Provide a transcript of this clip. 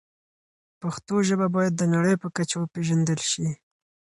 پښتو ژبه باید د نړۍ په کچه وپیژندل شي.